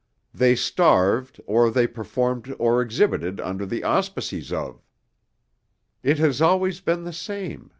They starved, or they performed or exhibited 'under the auspices of.' It has always been the same.